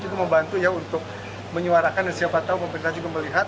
itu membantu ya untuk menyuarakan dan siapa tahu pemerintah juga melihat